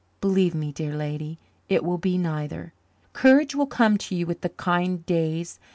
Believe me, dear lady, it will be neither. Courage will come to you with the kind days.